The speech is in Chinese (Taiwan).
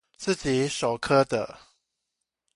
自己手刻的